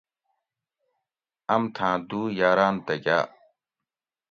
امتھاۤں دُو یاراۤن تہ گاۤ